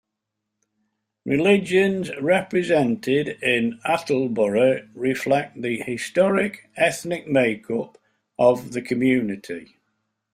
Religions represented in Attleboro reflect the historic ethnic makeup of the community.